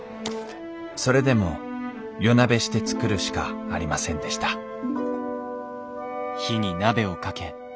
それでも夜なべして作るしかありませんでしたる